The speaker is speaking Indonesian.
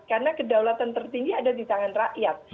karena kedaulatan tertinggi ada di tangan rakyat